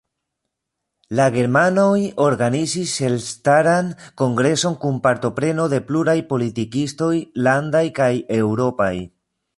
La germanoj organizis elstaran kongreson kun partopreno de pluraj politikistoj, landaj kaj eŭropaj.